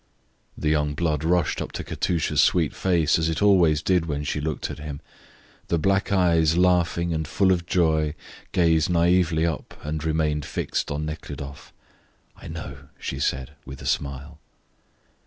The young blood rushed up to Katusha's sweet face, as it always did when she looked at him. The black eyes, laughing and full of joy, gazed naively up and remained fixed on Nekhludoff. "I know," she said, with a smile.